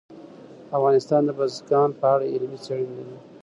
افغانستان د بزګان په اړه علمي څېړنې لري.